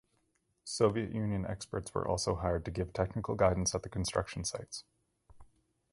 Soviet Union experts were also hired to give technical guidance at the construction sites.